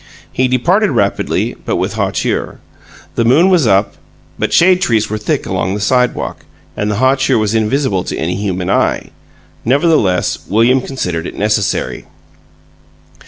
He departed rapidly, but with hauteur. The moon was up, but shade trees were thick along the sidewalk, and the hauteur was invisible to any human eye; nevertheless, William considered it necessary.